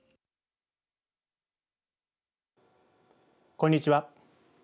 こんにちは。